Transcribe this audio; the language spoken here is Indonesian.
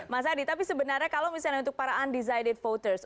mas adi tapi sebenarnya kalau misalnya untuk para undecided voters